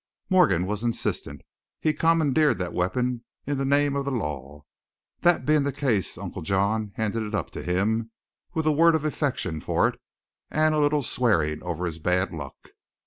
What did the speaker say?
Morgan was insistent. He commandeered the weapon in the name of the law. That being the case, Uncle John handed it up to him, with a word of affection for it, and a little swearing over his bad luck.